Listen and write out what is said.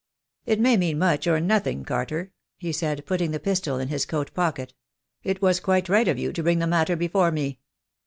"It may mean much, or nothing, Carter,'' he said, putting the pistol in his coat pocket. "It was quite right of you to bring the matter before me."